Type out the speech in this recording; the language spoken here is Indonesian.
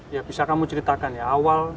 ya bisa kamu ceritakan ya awal